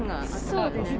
そうですね。